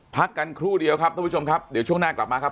พักกันครู่เดียวครับทุกผู้ชมครับเดี๋ยวช่วงหน้ากลับมาครับ